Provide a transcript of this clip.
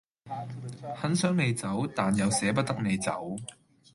很想你走，但又捨不得你走